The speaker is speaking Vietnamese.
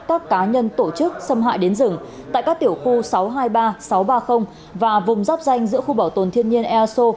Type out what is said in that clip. các cá nhân tổ chức xâm hại đến rừng tại các tiểu khu sáu trăm hai mươi ba sáu trăm ba mươi và vùng giáp danh giữa khu bảo tồn thiên nhiên ea sô